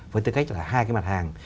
với tư cách là hai cái mặt hàng